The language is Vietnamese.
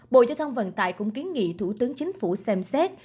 bộ giao thông vận tải cũng kiến nghị thủ tướng chính phủ xem xét